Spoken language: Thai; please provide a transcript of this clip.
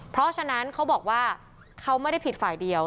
เพราะฉะนั้นเขาบอกว่าเขาไม่ได้ผิดฝ่ายเดียว